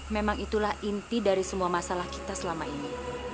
memang itulah inti dari semua masalah kita selama ini